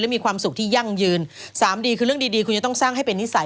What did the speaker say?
มีความสุขที่ยั่งยืนสามดีคือเรื่องดีดีคุณจะต้องสร้างให้เป็นนิสัย